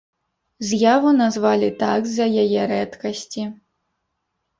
З'яву назвалі так з-за яе рэдкасці.